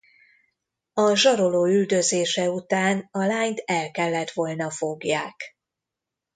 A zsaroló üldözése után a lányt el kellett volna fogják.